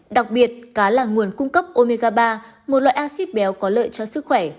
đặc biệt cá là nguồn cung cấp omega ba một loại axit béo có lợi cho sức khỏe